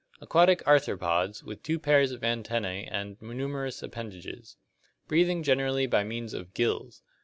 Aquatic arthropods, with two pairs of antennae and numerous appendages. Breathing generally by means of "gills."